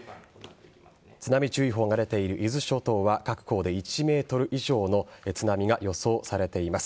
津波注意報が出ている伊豆諸島は各港で１ｍ以上の津波が予想されています。